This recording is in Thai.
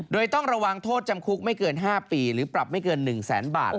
โดยต้องระวังโทษจำคุกไม่เกิน๕ปีหรือปรับไม่เกิน๑แสนบาท